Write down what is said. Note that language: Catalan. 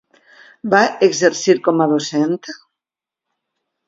Va exercir com a docent?